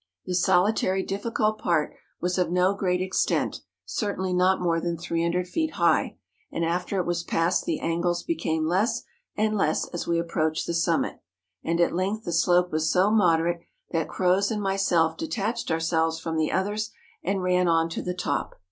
This solitary difficult part was of no great extent, certainly not more than 300 feet high ; and after it was passed the angles became less and less as we approached the summit; and at length the slope was so moderate that Croz and myself de¬ tached ourselves from the others, and ran on to the top.